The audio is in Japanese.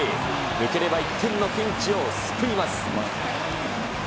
抜ければ１点のピンチを救います。